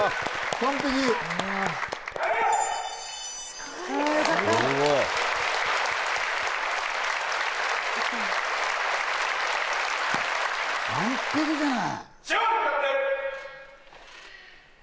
完璧じゃない！